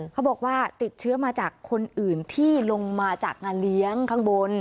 เขาบอกว่าติดเชื้อมาจากคนอื่นที่ลงมาจากงานเลี้ยงข้างบน